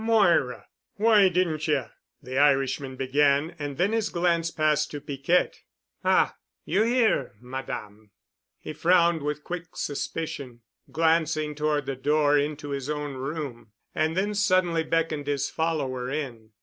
"Moira, why didn't ye——" the Irishman began, and then his glance passed to Piquette. "Ah—you here, Madame," he frowned with quick suspicion, glancing toward the door into his own room. And then suddenly beckoned his follower in.